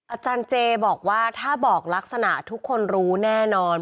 อาจารย์เจบอกว่าถ้าบอกลักษณะทุกคนรู้แน่นอน